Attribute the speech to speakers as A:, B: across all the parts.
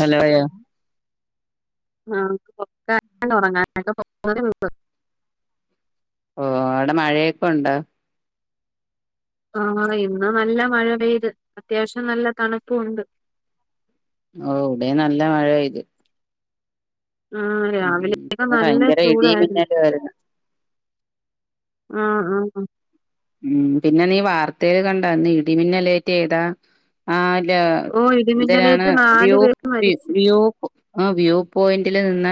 A: Hello യാ
B: ആഹ് ഒറങ്ങാനൊക്കെ
A: ഓ ആടെ മഴയൊക്കെ ഉണ്ടോ
B: ആഹ് ഇന്ന് നല്ല മഴ പെയ്ത് അത്യാവശ്യം നല്ല തണുപ്പു ഉണ്ട്
A: ഓ ഇവിടെ നല്ല മഴ പെയ്ത്
B: ആഹ്
A: മ്മ്
B: രാവിലെയൊക്കെ
A: പിന്ന
B: നല്ല
A: ഭയങ്കര ഇടി
B: ചൂടായിരുന്നു
A: മിന്നല് വരുന്ന്
B: ആഹ് ആഹ്
A: മ്മ് പിന്ന നീ വാർത്തൽ കണ്ടാ ഇടിമിന്നലേറ്റ് ഏതാ ആഹ്
B: ഓ
A: എന്തരാണ്
B: ഇടിമിന്നലേറ്റ് നാലു
A: വ്യൂ
B: പേര് മരിച്ചു
A: വ്യൂ പോ ആഹ് വ്യൂ പോയിന്റില് നിന്ന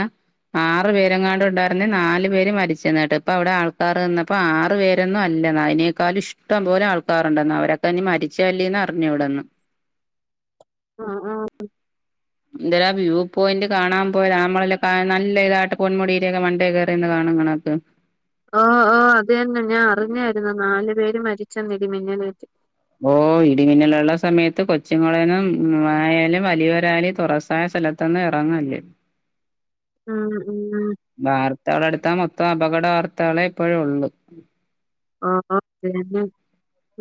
A: ആറ് പേരങ്ങാണ്ട് ഉണ്ടായിരുന്ന നാല് പേര് മരിച്ചെന് കേട്ട് ഇപ്പ അവിടെ ആൾക്കാർന്നപ്പം ആറ് പേരെന്നും അല്ല അയിനേക്കാലും ഇഷ്ടം പോലെ ആൾക്കാരുണ്ടന്ന് അവരോക്കെ ഇഞ്ഞി മരിച്ചല്ലേന്ന്റിഞ്ഞൂടന്ന്
B: ആഹ് ആഹ്
A: എന്തേരാ വ്യൂ പോയിന്റ് കാണാൻ പോയത നളല്ല നല്ല ഇതായിട്ട് പൊന്മുടിടെയൊക്കെ മണ്ടേ കേറി കാണും കണക്ക്
B: ആഹ് ആഹ് അതന്നെ ഞാൻ അറിഞ്ഞാരുന്നു നാലു പേര് മരിച്ചെന്ന് ഇടിമിന്നലേറ്റ്
A: ഓഹ് ഇടിമിന്നലുള്ള സമയത്ത് കൊച്ചുങ്ങളൊന്നും ആയാലും വലിയൊരായാലും തുറസായ സ്ഥലത്ത് ഒന്നും ഇറങ്ങല്ല്
B: ഉഹ് ഉഹ്
A: വാർതകളെടുത്ത മൊത്തം അപകട വാർത്തകളെ ഇപ്പോഴേ ഉള്ളു
B: ആഹ് അതെന്നെ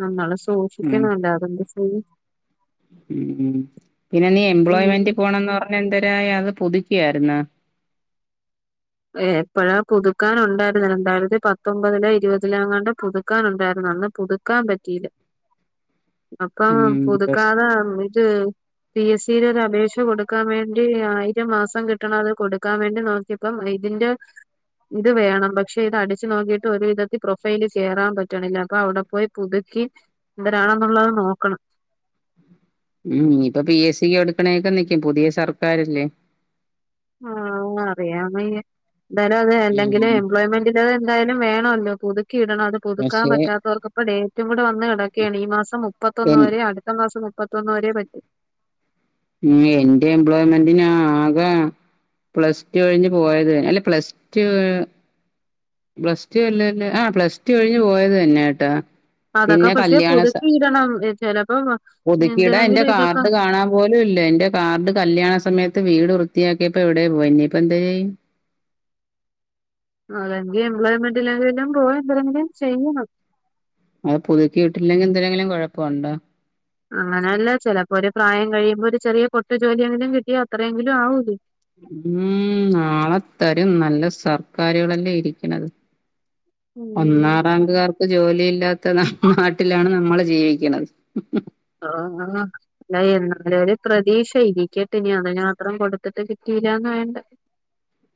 B: നമ്മള് സൂക്ഷിക്കണം അല്ലാതെന്ത്ചെയ്യും
A: ഉം ഉം പിന്നെ നീ
B: ഉം
A: എംപ്ലോയ്മെന്റി പോണെന്ന് പറഞ്ഞ എന്തരായി അത് പുതുക്കിയാരുന്ന
B: എപ്പഴാ പുതുക്കാൻ ഉണ്ടാരുന്ന രണ്ടായിരത്തിപ്പത്തൊമ്പതില ഇരുപതിലാങ്ങാണ്ട് പുതുക്കാൻ ഉണ്ടായിരുന്നു അന്ന് പുതു ക്കാൻ പറ്റീല്ല അപ്പം
A: ഉം പക്ഷെ
B: പുതുക്കാതെ ഇത് പി എസ് സി ടെ ഒരു അപേക്ഷ കൊടുക്കാൻ വേണ്ടി ആയിരം മാസം കിട്ടണത് കൊടുക്കാൻ വേണ്ടി നോക്കി പ്പം ഇതിന്റെ ഇത് വേണം പക്ഷെ ഇത് അടിച്ചു നോക്കീട്ട് ഒരു വിധത്തിൽ പ്രൊഫൈല് കേറാൻ പറ്റണില്ല അപ്പൊ അവിടെ പോയി പുതുക്കി എന്തരാണെന്നുള്ളത് നോക്കണം
A: ഉം ഇനിപ്പൊ പി എസ് സി എടുക്കണേക്കെ നിക്കും പുതിയ സർക്കാരല്ലേ
B: ആഹ് അറിയാൻവയ്യ എന്തായാലും അത് വേണ്ടങ്കിലെ
A: ഉം
B: എംപ്ലോയ്മെന്റ് ഇത് എന്തായാലും വേണോല്ലോ പുതുക്കി ഇടണത് പുതുക്കാൻ
A: പക്ഷെ
B: പറ്റാത്തവർക്കക്കൊ ഡേറ്റും കൂട വന്ന് കെടക്കാണ് ഈ മാസം മുപ്പത്തൊന്ന്
A: എൻ
B: വരെ അടുത്ത മാസം മു മുപ്പത്തൊന്ന് വെരേ പറ്റു
A: ഉം എന്റെ എംപ്ലോയ്മെന്റിനാക പ്ലസ് ടു കഴിഞ്ഞ് പോയത് അല്ല പ്ലസ് ടു പ്ലസ് ടു അല്ലല്ലേ ആഹ് പ്ലസ് ടു കഴിഞ്ഞ് പോയത് തന്നേട്ടാ
B: അതൊക്കെ
A: പിന്നെ
B: പക്ഷെ
A: കല്ല്യാണ സ
B: പുതുക്കി ഇടണം ചിലപ്പോ
A: പുതുക്കീട എന്റെ
B: എന്തിനെങ്കിലും ഇതൊക്കെ
A: കാർഡ് കാണാം പോലൂല്ല എന്റെ കാർഡ് കല്യാണ സമയത്ത് വീട് വൃത്തിയാക്കിയപ്പോ എവിടെ പോയി ഇനിപ്പോ എന്തെര്ചെയ്യ്
B: അതെങ്കി എംപ്ലോയ്മെന്റ്ലെങ്കിലും പോയി എന്തെരെങ്കിലും ചെയ്യണം
A: അത് പുതുക്കീട്ടില്ലെങ്കിൽ എന്തെരെങ്കിലും കൊഴപ്പിണ്ടോ
B: അങ്ങനല്ല ചെലപ്പോ ഒരു പ്രായം കഴിയുംമ്പോ ഒരു ചെറിയ പൊട്ടുജോലിയെങ്കിലും കിട്ടിയാ അത്രയെങ്കിലും ആവൂത്
A: ഉം നാളെത്തരും നല്ല സർക്കാരുകളല്ലേ ഇരിക്കണത്
B: ഉം
A: ഒന്നാറാങ്കുകാർക്ക് ജോലിയില്ലാത്ത നാട്ടിലാണ് നമ്മള് ജീവിക്കണത്
B: ആഹ് ങനെ അല്ല എന്നാലൊരു പ്രതീക്ഷ ഇരിക്കെട്ട് ഇനി അതിനുമാത്രം കൊടുത്തിട്ട് കിട്ടില്ലാന്ന് വേണ്ട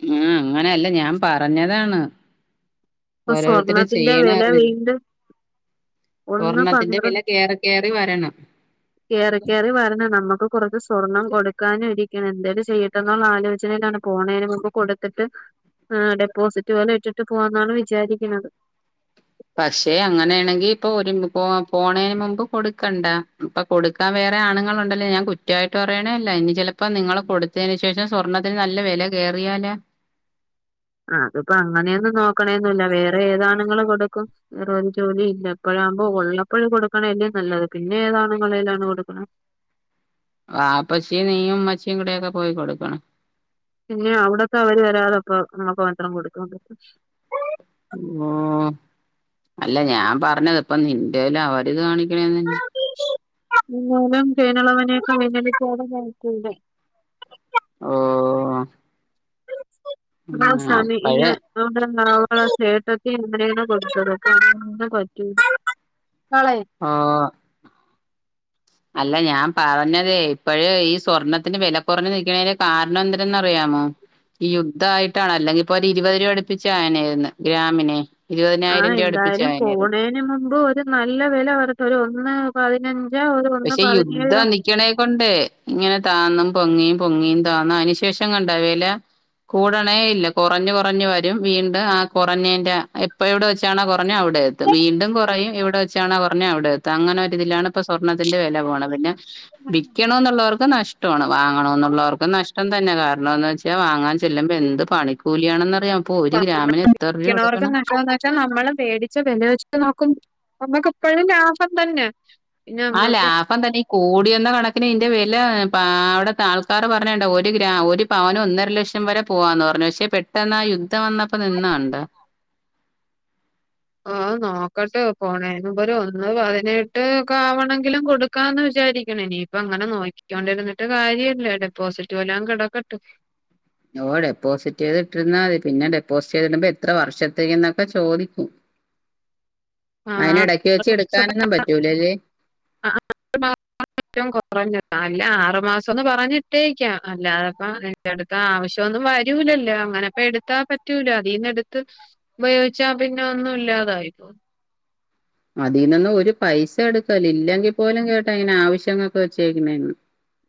A: ഉം അങ്ങനല്ല ഞാൻ പറഞ്ഞതാണ്
B: ഇപ്പൊ
A: ഓരോരുത്തര്
B: സ്വർണത്തിന്റെ
A: ചെയ്യണ
B: വെല
A: അറിഞ്ഞ്
B: വീണ്ടും ഒന്ന്
A: സ്വർണ്ണത്തിന്റെ വില
B: പന്ത്രണ്ട്
A: കേറി കേറി വെരണ്
B: കേറി കേറി വെരണ് നമുക്ക് കൊറച്ച് സ്വർണ്ണം കൊടുക്കാനും ഇരിക്കണ് എന്തേലും ചെയ്യ ട്ടന്നൊളള ആലോചാനയിലാണ് പോണേന് മുമ്പ് കൊടുത്തിട്ട് ഡെപ്പോസിറ്റ് പോലെ ഇട്ടിട്ട് പോകാന്നാണ് വി വിചാരിക്കണത്
A: പക്ഷെ അങ്ങനെയാണെങ്കി ഇപ്പൊ ഒരു പോ പോണേന് മുമ്പ് കൊടുക്കണ്ട ഇപ്പൊ കൊടുക്കാൻ വേറെ ആണുങ്ങളുണ്ടല്ല ഞാൻ കുറ്റായിട്ട് പറയണേ അല്ല ഇനി ചിലപ്പോ നിങ്ങള് കൊടുത്തേന് ശേ ശേഷം സ്വർണ്ണത്തിന് നല്ല വെല കേറിയാല
B: ആഹ് അതിപ്പോ അങ്ങനേന്നും നോക്കണെന്നുല്ല വേറെ ഏതാണുങ്ങള് കൊടുക്കും വേറ ഒരു ജോലീല്ല ഇപ്പഴാവുമ്പോ ഉള്ളപ്പഴ് കൊടുക്കണെല്ലേ നല്ലത് പിന്നെ ഏതാണുങ്ങടെ കയ്യിലാണ് കൊടുക്കണേ
A: വാപ്പച്ചിയും നീയും ഉമ്മച്ചിയും കൂടക്കെപോയി കൊടുക്കണം
B: പിന്നെ അവിടക്ക അവര് വെരാതപ്പോ നമുക്ക് മത്രം കൊടുക്കാപറ്റും
A: ഓഹ് അല്ല ഞാൻ പറഞ്ഞത് ഇപ്പ നിന്റേല് അവര് കാണിക്കണെന്തിന്
B: [unintelligible]
A: ഓഹ്
B: വാ സാമി
A: അപ്പഴ്
B: ഇനിയെ അതൊണ്ട് നാള ചേട്ടത്തി ഇനന്നേ കൊടുത്ത് വിടും പ്പ അങ്ങന നാളായി
A: ആ അല്ല ഞാൻ പറഞ്ഞതേ ഇപ്പഴെ ഈ സ്വർണ്ണത്തിന് വെല കൊറഞ്ഞ് നിക്കണേന്റെ കാർ ണം എന്തരെന്ന് അറിയാമോ ഈ യുദ്ധായിട്ടാണ് അല്ലെങ്കി ഇപ്പൊ ഒരു ഇരുപത് രൂപ അടുപ്പിച്ചായേനെ ഗ്രാമിനെ ഇരുവതിനായിരം രൂപ അടുപ്പിച്ചു ആയേനാരു
B: അതിന് മുമ്പ് ഒരു നല്ല വെല വരത്ത ഒരു ഒന്ന് പതിനഞ്ചോ ഒരു ഒന്ന് പതിനേഴോ
A: ക്കണേ കൊണ്ട് ഇങ്ങനെ താന്നും പൊങ്ങിയും പൊങ്ങിയും താന്നും അയ്നുശേഷം കണ്ടോ വെല. കൂടണേ ഇല്ല. കൊറഞ്ഞു കൊറഞ്ഞു വരും. വീണ്ട ആ കൊറഞ്ഞേന്റെ ഇപ്പൊ എവിടെ വെച്ചാണോ കൊറഞ്ഞേ അവിടെ എത്തും. വീണ്ടും കൊറയും. എവിടെ വച്ചാണോ കൊറഞ്ഞേ അവിടെയെത്തും. അങ്ങനെ ഒരിതിലാണ് ഇപ്പൊ സ്വ ർണത്തിന്റെ വെല പോണ പിന്നെ വിക്കണോന്നുള്ളവർക്ക് നഷ്ട്ടോണ്. വാങ്ങണം എന്നുള്ളവർക്ക് നഷ്ടം തന്നെ കാര ണോന്ന് വെച്ചാ വാങ്ങാൻ ചെല്ലുമ്പൊ എന്ത് പണിക്കൂലിയാണെന്നറിയാ. ഇപ്പ ഒരു ഗ്രാമിന് എത്ര രൂവകൊട്ക്കണം
B: പക്ഷെ നമ്മള മേടിച്ച വെല വച്ച് നോക്കുമ്പോ നമ്മുക്ക് ഇപ്പോഴും ലാഭം തന്നെ പിന്നെ
A: ആഹ്
B: നമ്മക്ക്
A: ലാഭം തന്നെ കൂടി വന്ന കണക്കിന് ഇയ്ന്റെ വെല അവിടത്തെ ആൾക്കാർ പറഞ്ഞണ്ട ഒരു ഗ്രാ ഒര് പവന് ഒന്നര ലക്ഷം വരെ പോവാന്ന് പറഞ്ഞു. പക്ഷെ പെട്ടെന്ന് ആ യുദ്ധം വന്നപ്പോ നിന്ന കണ്ട.
B: ഓഹ് നോക്കട്ടെ പോണേന് മുമ്പ് ഒരു ഒന്ന് പതിനെട്ട് ഒക്കെ ആവണെങ്കിലും കൊടു ക്കാന്ന് വിചാരിക്ക്ണ്. ഇനിയിപ്പ അങ്ങനെ നോക്കിക്കോണ്ടിര്ന്നിട്ട് കാര്യല്ല. ഡെപ്പോസിറ്റ് വല്ലോം കെടക്കട്ട്
A: ഓഹ് ഡെപ്പോസിറ്റ് ചെയ്തിട്ടിര്ന്നാ മതി. പിന്നെ ഡെപ്പോസിറ്റ് ചെയ്തിടുമ്പോ എത്ര വർഷത്തേക്ക് എന്നൊക്കെ ചോദിക്കും. അയ്ന്
B: ആഹ്
A: എടക്ക് വെച്ച് എടുക്കാനൊന്നും പറ്റൂലല്ലേ
B: [inaudible] ഏറ്റവും കൊറഞ്ഞത് അല്ല ആറുമാസം എന്ന് പറഞ്ഞിട്ടേക്കാം അല്ലാതപ്പം എടുത്ത ആവശ്യമൊന്നും വരൂലല്ലോ അങ്ങനെ പ്പ എട്ത്താ പറ്റൂല അതീന്ന് എടുത്ത് ഉപയോഗിച്ചാ പിന്നെ ഒന്നും ഇല്ലാതായി
A: അതീന്നൊന്നും ഒരു പൈസ എടുക്കല്ല് ഇല്ലെങ്കിൽ പോലും കേട്ടാ അയ്ന് ആവശ്യങ്ങൊക്കെ വെച്ചേക്ക്ണേണ്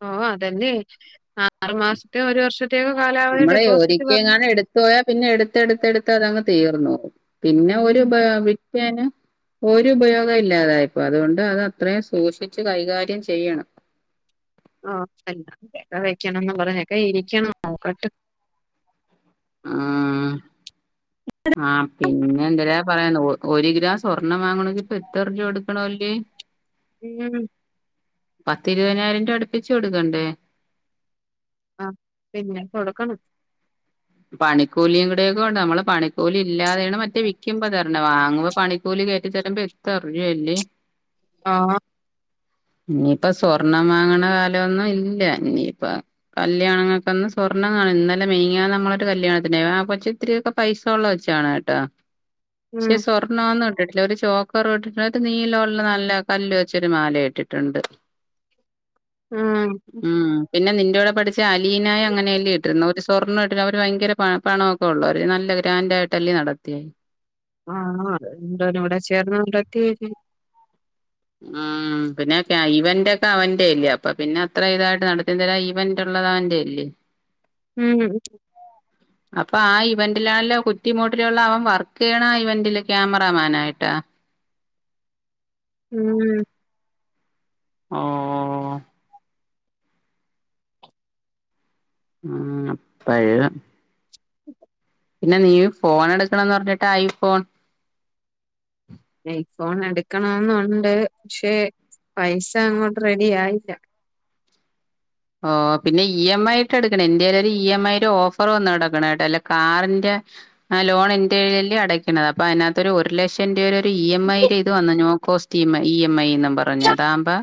B: ഓഹ് അതന്നെ ആറു മാസത്തേ ഒരു വർഷത്തേക്കോ കാലാവധി ഡെപ്പോസിറ്റ് പ
A: ത്തോയാ പിന്നെ എട്ത്തട്ത്ത് എടുത്ത് അതങ്ങ് തീർന്നോവും. പിന്നെ ഒരു
B: ഉം
A: ഉപയോ വിറ്റേന് ഒരു ഉപയോഗം ഇല്ലാതായിപ്പോ അതുകൊണ്ട് അത് അത്രയും സൂക്ഷിച്ച് കൈകാര്യം ചെയ്യണം.
B: ഓഹ് അല്ലതൊക്കെ വെക്കണംന്ന് പറഞ്ഞക്കെ ഇരിക്കണം നോക്കട്ട്
A: ആഹ് ആഹ് പിന്നെ എന്തല പറയന്ന് ഒര് ഗ്രാം സ്വർണം വാങ്ങണങ്കി ഇപ്പ എത്ര രൂവ കൊട്ക്കണല്ലേ
B: ഉം
A: പത്തിരുവയ്നായിരം രൂപ അടുപ്പിച്ച് കൊടുക്കണ്ടേ
B: ആഹ് പിന്നെ കൊടുക്കണം.
A: പണിക്കൂലിയും കൂടൊക്കെ ഒണ്ട്. നമ്മള് പണിക്കൂലി ഇല്ലാതെയാണ് മറ്റേ വിക്കുമ്പോ തരണേ വാങ്ങുമ്പോ പണി കൂലി കയറ്റി തരുമ്പോ എത്ര രൂവയാ ല്ലേ
B: ആഹ്
A: ഇനിയിപ്പ സ്വർണം വാങ്ങണ കാലോന്നും ഇല്ല. ഇനിയിപ്പ കല്യാണങ്ങൾക് ഒന്നും സ്വർണ്ണം കാണില്ല. ഇന്നലെ മെനിഞ്ഞാന്ന് നമ്മളെ കല്യാണത്തിന് പോയി ആ കൊച്ച് ഇത്തിരി ഒക്കെ പൈസ ഒള്ള കൊച്ചാണ് കേട്ടോ. ശേ
B: ഉം
A: സ്വ ർണോന്നും ഇട്ടിട്ടില്ല. ഒരു ചോക്കർ ഇട്ടിട്ടുണ്ട്. ഒരു നീലമുള്ള നല്ല കല്ല് വെച്ചൊരു മാല ഇട്ടിട്ടുണ്ട്. [unintelligible]
B: ആഹ്
A: ആഹ് പിന്നെ നിന്റെ കൂടെ പഠിച്ച അലീനായും അങ്ങനെയല്ലേ ഇട്ടിരുന്നെ ഒരു സ്വർണം ഇട്ട ട്ട് ഭയങ്കര പ പണൊക്കെ ഉള്ളവര്. നല്ല ഗ്രാൻഡായിട്ടല്ലേ നടത്തിയേ
B: ആഹ് [unintelligible] ചേർന്ന കൊണ്ടക്കേനി
A: ആഹ് ആഹ് പിന്നെ ക്കെ ഇവന്റ് ഒക്കെ അവന്റെ ഇല്ലേ അപ്പൊ പിന്നെ അത്ര ഇതായിട്ട് നടത്തി തരാന് ഇവന്റ് ഒള്ളത് അവന്റെ അല്ലേ
B: ഉം
A: അപ്പൊ ആഹ് ഇവന്റിലാണല്ലോ കുറ്റിമൂട്ടിലുള്ള അവൻ വർക്കെയ്യ്ണ ആ ഇവന്റില് ക്യാമറാമാൻ ആയിട്ടാ
B: ഉം
A: ആഹ് ആഹ് അപ്പഴ് പിന്നെ നീ ഫോൺ എടുക്കണംന്ന് പറഞ്ഞിട്ട് ഐഫോൺ
B: ഐഫോൺ എടുക്കണന്നുണ്ട് പക്ഷെ പൈസ അങ്ങോട്ട് റെഡി ആയില്ല
A: ഓഹ് പിന്നെ ഇ എം ഐ യിട്ട് എടുക്കണം എന്റേലൊരു ഇ എം ഐയുടെ ഓഫർ വന്നു കിടക്ക്ണ് കേട്ടോ അല്ലെ കാറിന്റെ ആഹ് ലോൺ എന്റെതില് അല്ലെ അടയ്ക്കണത് അപ്പ അയിനാത്ത് ഒര് ഒരു ലക്ഷം രൂപേടെ ഒരു ഇ എം ഐ ടെ ഇത് വന്നു no cost E M I എന്നും പറഞ്ഞു അതാമ്പൊ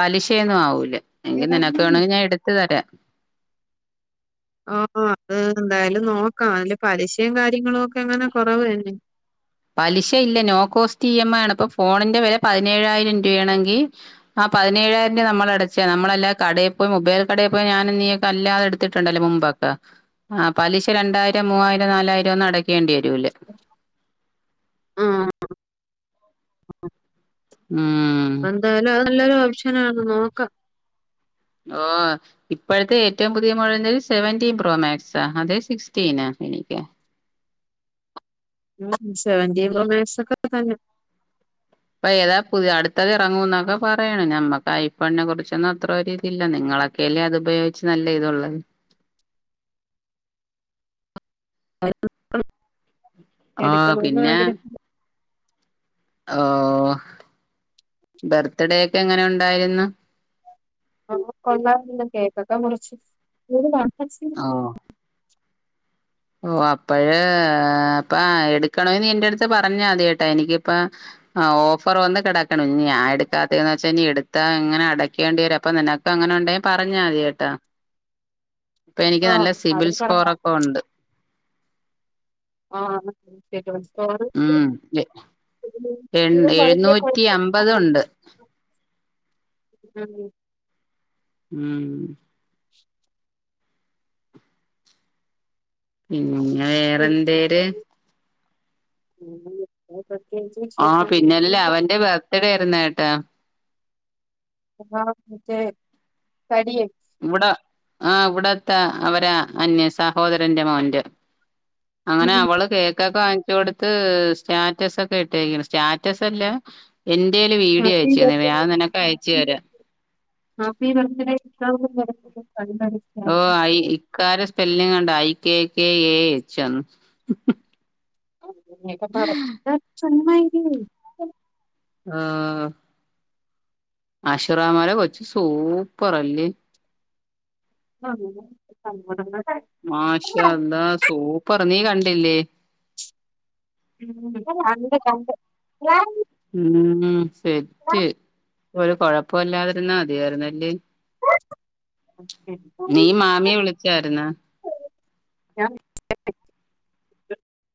A: പലിശയൊന്നും ആവൂല എങ്കിൽ നിനക്ക്
B: ഇറങ്ങുന്നു
A: വേണെങ്കിൽ ഞാൻ എടുത്തു തരാ
B: ഓഹ് അത് എന്തായാലും നോക്കണം അതില് പലിശയും കാര്യങ്ങളും ഒക്കെ എങ്ങനെ കൊറവ് തന്നെ
A: പലിശ ഇല്ല no cost E M I ആണ് ഇപ്പൊ ഫോണിന്റെ വില പതിനേഴായിരം രൂപയാണെങ്കിൽ ആഹ് പതിനേഴായിരം രൂപ നമ്മള് അടച്ചതി നമ്മളല്ലാതെ കടയിൽ പോയി മൊബൈൽ കടയിൽ പോയി ഞാനും നീയൊക്കെ അല്ലതെടു എട്ത്തിട്ടുണ്ടല്ലോ മുമ്പൊക്കെ ആഹ് പലിശ രണ്ടായിരം മൂവായിരം നാലായിരം ഒന്നും അടക്കേണ്ടി വരുല്ല
B: [unintelligible] ആഹ്
A: ഉം
B: എന്തായാലും അത് നല്ലൊരു ഓപ്ഷനാണ് നോക്കാം
A: ഓഹ് ഇപ്പോഴത്തെ ഏറ്റവും പുതിയ മോഡൽ എന്ത് സെവന്റീൻ പ്രോ മാക്സാ അതെ സിക്സ്റ്റീനാ എനിക്ക്
B: [inaudible] സേവന്റീൻ പ്രൊ മാക്സ് ഒക്കെ തന്നെയാ
A: ഇപ്പൊ ഏതാ പുതിയ അടുത്തത് ഇറങ്ങൂന്നൊക്കെ പറയ്ണ് ഞമ്മക് ഐ ഫോണിനെ കുറിച്ചൊന്നും അത്ര ഒരിത് ഇല്ല നിങ്ങളെ ക്കല്ലേ അത് ഉപയോഗിച്ച് നല്ല ഇതൊള്ളത്
B: [inaudible]
A: ആ
B: എടുക്കണോന്ന് ആഗ്രഹം
A: ഓഹ് ബർത്ത്ഡേ ഒക്കെ എങ്ങനെ ഉണ്ടായിരുന്ന്
B: ഓഹ് കൊള്ളായിരുന്നു കേക്കൊക്കെ മുറിച്ചു [unintelligible] വാപ്പച്ചി
A: ഓഹ് അപ്പഴ് അപ്പ എടുക്കണെ നീ എന്റെ അടുത്ത് പറഞ്ഞ മതി കേട്ടോ എനിക്കിപ്പ ആഹ് ഓഫർ വന്ന് കിടക്കണ് ഇനി ഞാൻ എടുക്കാത്തെന്ന് ച്ച നീ എടുത്താ ഇങ്ങനെ അടക്കേണ്ടി വരും അപ്പൊ നിനക്ക് അങ്ങനെ ഉണ്ടെങ്കിൽ പറഞ്ഞാതികേട്ട ഇപ്പൊ എനിക്ക്
B: ആ
A: നല്ല
B: അത്
A: സിബിൽ
B: പറയാം
A: സ്കോറൊക്കെ ഒണ്ട്
B: ആഹ് സിബിൽ സ്കോർ
A: ഉം എ എഴുന്നൂറ്റി അമ്പതുണ്ട്
B: [unintelligible] [inaudible]
A: ഉം
B: [unintelligible]
A: ഉം പിന്നെ വേറെ എന്തേര്
B: പിന്നെ [inaudible] പ്രത്യേകിച്ച്
A: ആ
B: വിശേഷം അങ്ങനെ
A: പിന്നല്ല
B: ഒന്നുല്ല
A: അവന്റെ ബർത്ത്ഡേ ആരുന്നു കേട്ട
B: [inaudible] മറ്റേ തടിയൻ
A: ഇവിട ആഹ് ഇവിടത്തെ അവരാ അന്നെ സഹോദരന്റെ മോന്റെ അങ്ങനെ അവള് കേ ക്കൊക്കെ വാങ്ങിച്ചു കൊടുത്ത് സ്റ്റാറ്റസ് ഒക്കെ ഇട്ടരിക്ക്ണ് സ്റ്റാറ്റസ് അല്ല എന്റെല് വീഡിയോ
B: ഹാപ്പി
A: അയച് തന്ന്
B: ബർത്ത്ഡേ
A: ഞാൻ നിനക്ക്‌ അയച്ചു
B: ഹാപ്പി
A: തരാ
B: ബർത്ത്ഡേ ഹാപ്പി ബർത്ത്ഡേ [inaudible]
A: ഓഹ് ഇക്കാന്റെ സ്പെല്ലിങ്ങ് കണ്ട I K K A H ന്ന്
B: [inaudible]
A: ആഹ് മഷുറാമാരെ കൊച്ച് സൂപ്പറല്ലേ
B: [unintelligible]
A: മാഷ
B: കണ്ട്
A: അല്ലാഹ് സൂപ്പർ നീ കണ്ടില്ലേ
B: ഉം കണ്ട് കണ്ട് ഞാൻ
A: ഉം സെറ്റ് ഒരു കൊഴപ്പ ഇല്ലാതിരുന്നാ മതിയാര്ന്ന് അല്ലെ നീ മാമിയെ വിളിച്ചായിര്ന്നാ
B: ഞാൻ